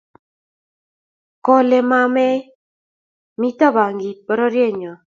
kole mamae mito bangik bororyono